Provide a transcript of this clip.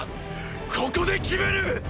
ここで決める！！